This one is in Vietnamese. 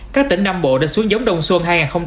các tỉnh nam bộ đã xuống giống đông xuân